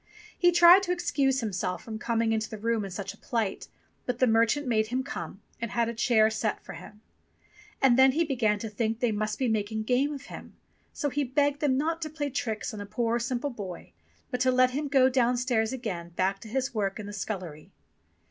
He tried to ex cuse himself from coming into the room in such a plight, but the merchant made him come, and had a chair set for him. And he then began to think they must be making game of him, so he begged them not to play tricks on a poor simple boy, but to let him go downstairs again back to his work in the scullery.